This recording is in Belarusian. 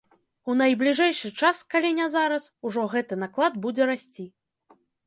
У найбліжэйшы час, калі не зараз, ужо гэты наклад будзе расці.